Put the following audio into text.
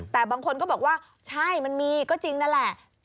แต่บางคนก็บอกว่าใช่มันมีก็จริงนั่นแหละ